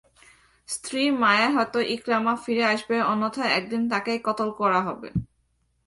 স্ত্রীর মায়ায় হয়ত ইকরামা ফিরে আসবে অন্যথায় একদিন তাকেই কতল করা হবে।